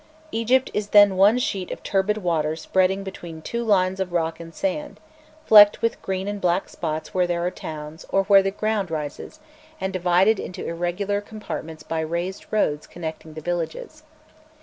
Egypt is then one sheet of turbid water spreading between two lines of rock and sand, flecked with green and black spots where there are towns or where the ground rises, and divided into irregular compartments by raised roads connecting the villages.